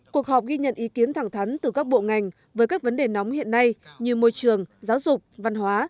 cuộc họp ghi nhận ý kiến thẳng thắn từ các bộ ngành với các vấn đề nóng hiện nay như môi trường giáo dục văn hóa